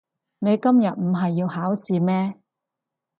你今日唔係要考試咩？